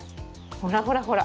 ほらほらほら。